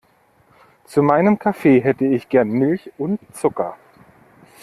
Zu meinem Kaffee hätte ich gern Milch und Zucker.